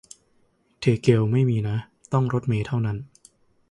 เทเกลไม่มีนะ ต้องรถเมล์เท่านั้น